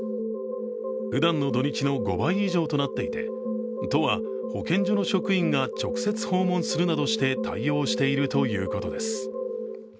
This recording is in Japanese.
ふだんの土日の５倍以上となっていて、都は保健所の職員が直接訪問するなどして対応しているということです。